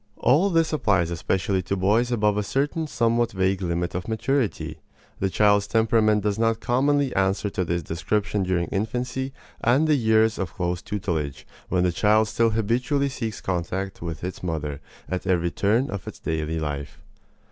All this applies especially to boys above a certain somewhat vague limit of maturity. The child's temperament does not commonly answer to this description during infancy and the years of close tutelage, when the child still habitually seeks contact with its mother at every turn of its daily life.